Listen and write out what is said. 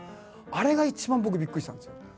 あれが一番僕びっくりしたんですよ。